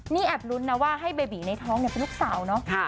นี่แอบลุ้นนะว่าให้เบบีในท้องเป็นลูกสาวเนาะ